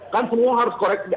kan semua harus korek